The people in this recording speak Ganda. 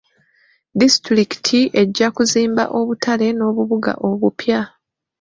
Disitulikiti ejja kuzimba obutale n'obubuga obupya.